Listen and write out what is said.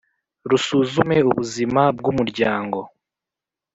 rusuzume ubuzima bw Umuryango